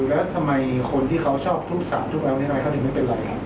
แล้วทำไมคนที่เขาชอบทุบสารทุบอะไรเขาถึงไม่เป็นไรครับ